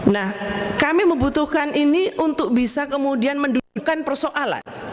nah kami membutuhkan ini untuk bisa kemudian mendudukan persoalan